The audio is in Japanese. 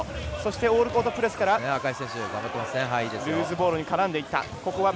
オールコートプレスからルーズボールに絡んでいった。